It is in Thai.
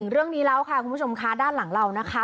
เรื่องนี้แล้วค่ะคุณผู้ชมค่ะด้านหลังเรานะคะ